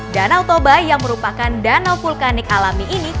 danau toba yang merupakan danau vulkanik alami ini